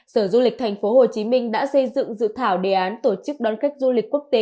sở du lịch thành phố hồ chí minh đã xây dựng dự thảo đề án tổ chức đón khách du lịch quốc tế